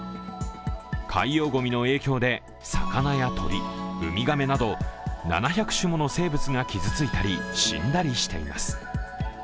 海洋ごみの影響で魚や鳥、ウミガメなど、７００種もの生物が傷ついたり死んだりしています。